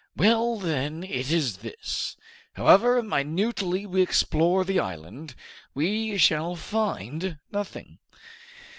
"Well, then, it is this: however minutely we explore the island, we shall find nothing."